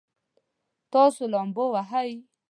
تاسو لامبو وهئ؟